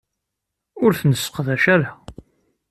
Ur t-nesseqdac ara.